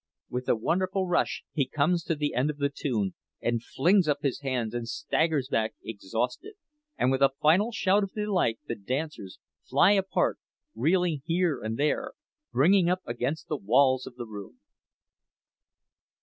With a most wonderful rush he comes to the end of the tune, and flings up his hands and staggers back exhausted; and with a final shout of delight the dancers fly apart, reeling here and there, bringing up against the walls of the room.